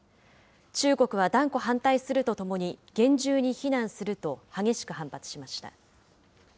中国は断固反対するとともに、厳重に非難すると、激しく反発しました。